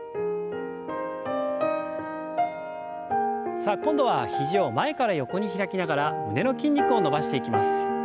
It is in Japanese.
さあ今度は肘を前から横に開きながら胸の筋肉を伸ばしていきます。